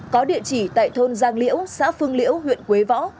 có địa chỉ tại thôn giang liễu xã phương liễu huyện quế võ